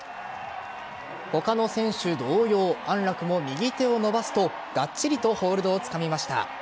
他の選手同様安楽も右手を伸ばすとがっちりとホールドをつかみました。